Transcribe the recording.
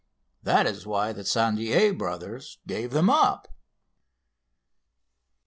That is why the Tissandier brothers gave them up."